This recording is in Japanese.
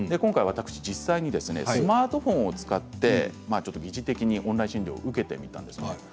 私も実際にスマートフォンを使って疑似的にオンライン診療を受けてみたんです。